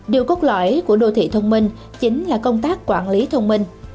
điều cốt lõi của đô thị thông minh chính là công tác quản lý thông minh